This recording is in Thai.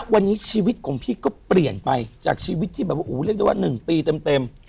วันนี้ชีวิตของพี่ก็เปลี่ยนไปจากชีวิตที่แบบว่าเรียกได้ว่า๑ปีเต็ม